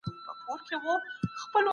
هغه عام ډګر ته راووت او اعتراض يې وکړ.